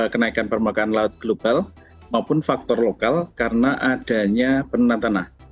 kenaikan permukaan laut global maupun faktor lokal karena adanya penurunan tanah